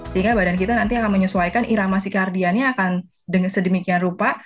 sehingga badan kita nanti akan menyesuaikan iramasi kardiannya akan sedemikian rupa